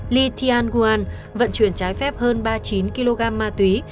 lee tian gwan vận chuyển trái phép hơn ba mươi chín kg ma túy